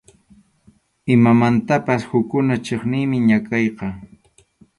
Imamantapas hukkuna chiqniymi ñakayqa.